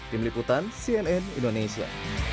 tim liputan cnn indonesia